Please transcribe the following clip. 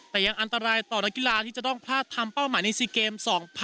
แต่ยังอันตรายต่อนักกีฬาที่จะต้องพลาดทำเป้าหมายใน๔เกม๒๐๑๖